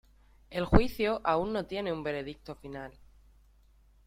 El juicio aún no tiene un veredicto final.